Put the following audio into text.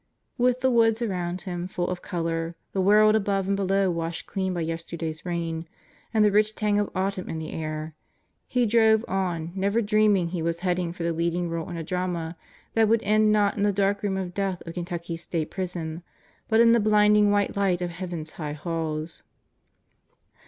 With the woods around him full of color, the world above and below washed clean by yesterday's rain, and the rich tang of autumn in the air, he drove on never dreaming he was heading for the leading role in a drama that would end not in the dark room of death of Kentucky's State Prison, but in the blinding white light of Heaven's High Halls.